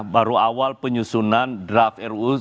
baru awal penyusunan draft ruu